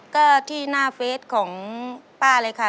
ก็ที่หน้าเฟสของป้าเลยค่ะ